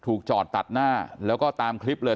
จอดตัดหน้าแล้วก็ตามคลิปเลย